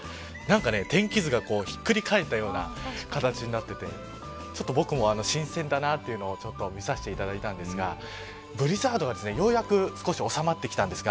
天気図がひっくり返ったような形になっていてちょっと僕も新鮮だなというのを見させていただいたんですがブリザードがようやく収まってきたんですが。